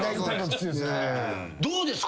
どうですか？